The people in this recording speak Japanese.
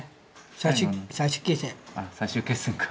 最終決戦か。